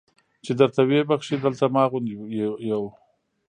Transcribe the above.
چې درته ویې بخښي دلته ما غوندې یو.